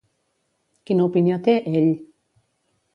Quina opinió té, ell?